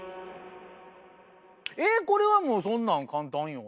えこれはもうそんなん簡単よ。